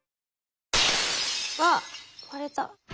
あっ割れた。